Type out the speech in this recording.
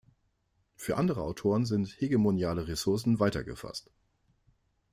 Für andere Autoren sind hegemoniale Ressourcen weiter gefasst.